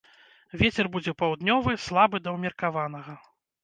Вецер будзе паўднёвы, слабы да ўмеркаванага.